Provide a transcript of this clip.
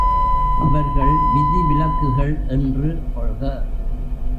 அவர்கள் விதிவிலக்குகள் என்று கொள்க.